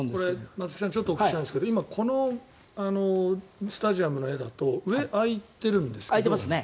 松木さんお聞きしたいんですがこのスタジアムの画だと上、開いてるんですかね。